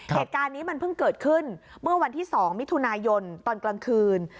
เหตุการณ์นี้มันเพิ่งเกิดขึ้นเมื่อวันที่๒มิถุนายนตอนกลางคืน